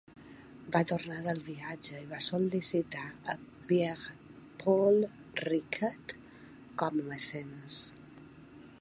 Va tornar del viatge i va sol·licitar a Pierre-Paul Riquet com a mecenes.